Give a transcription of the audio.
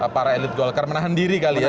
para elit golkar menahan diri kali ya